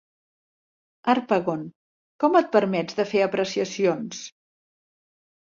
Harpagon, com et permets de fer apreciacions?